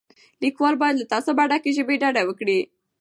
لیکوال باید له تعصب ډکې ژبې ډډه وکړي.